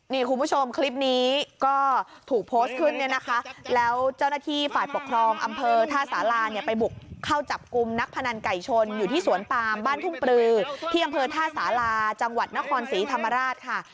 นี่คุณผู้ชมคลิปนี้ก็ถูกโพสต์ขึ้นเนี่ยนะคะแล้วเจ้าหน้าที่ฝ่ายปกครองอำเภอท่าสาราเนี่ยไปบุกเข้าจับกลุ่มนักพนันไก่ชนอยู่ที่สวนปามบ้านทุ่งปลือที่อำเภอท่าสาราจังหวัดนครศรีธรรมราชค่ะ